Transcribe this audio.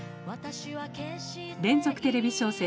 連続テレビ小説